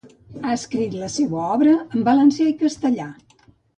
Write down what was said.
Ha escrit la seua obra en valencià i castellà.